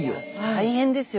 大変ですよ